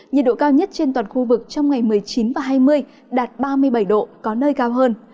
nhiệt độ cao nhất trên toàn khu vực trong ngày một mươi chín và hai mươi đạt ba mươi bảy độ có nơi cao hơn